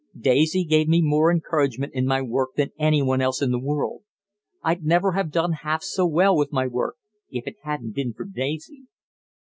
Daisy gave me more encouragement in my work than anyone else in the world. I'd never have done half so well with my work if it hadn't been for Daisy."